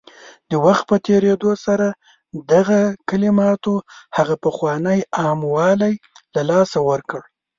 د وخت په تېرېدو سره دغه کلماتو هغه پخوانی عام والی له لاسه ورکړ